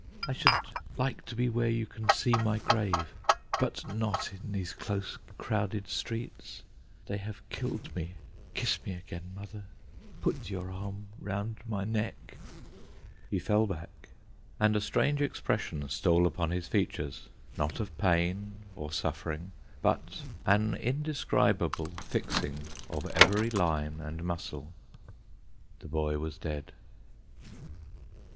I should like to be where you can see my grave, but not in these close crowded streets ; they have killed me ; kiss me again, mother ; put your arm round my neck ' Ho fell back, and a strange expression stole upon his features ; not of pain or suffering, but an indescribable fixing of every line and muscle. The boy was dead.